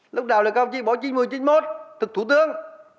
lúc đầu là cao trị bỏ chích một nghìn chín trăm chín mươi một thực thủ tướng